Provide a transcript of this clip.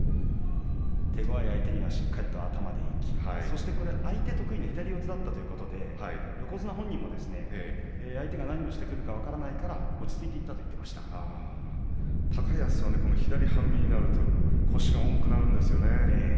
手ごわい相手には頭でいって相手得意の左四つということで横綱本人も相手が何をしてくるか分からないから落ち着いていった高安は左半身だと腰が重くなるんですよね。